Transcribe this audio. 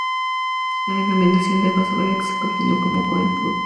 La dominación de Offa sobre Essex continuó con Coenwulf.